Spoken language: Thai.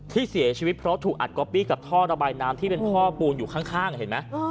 ที่เสียชีวิตเพราะถูกอัดก๊อปปี้กับท่อระบายน้ำที่เป็นท่อปูนอยู่ข้างเห็นไหม